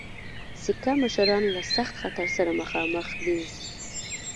سیکه مشران له سخت خطر سره مخامخ دي.